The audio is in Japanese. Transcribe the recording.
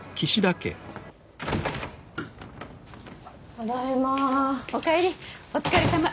ただいまおかえりお疲れさま